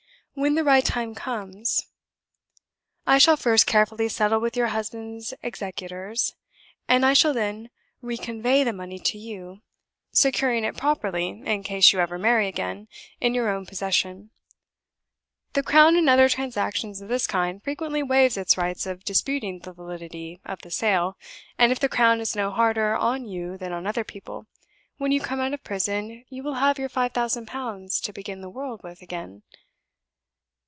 When the right time comes, I shall first carefully settle with your husband's executors; and I shall then reconvey the money to you, securing it properly (in case you ever marry again) in your own possession. The Crown, in other transactions of this kind, frequently waives its right of disputing the validity of the sale; and, if the Crown is no harder on you than on other people, when you come out of prison you will have your five thousand pounds to begin the world with again.